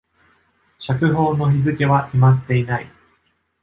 釈放の日付は決まっていない。